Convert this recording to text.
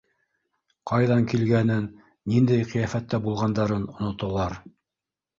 Ҡайҙан килгәнен, ниндәй ҡиәфәттә булғандарын оноталар.